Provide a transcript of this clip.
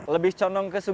lebih condong kesudah